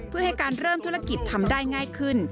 เพื่อให้การเริ่มธุรกิจทำได้ง่ายขึ้น